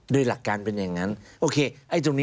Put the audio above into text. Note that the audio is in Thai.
โดยหลักการเป็นอย่างนั้น